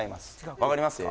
分かりますか？